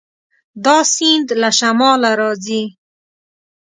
دا سیند له شماله راځي.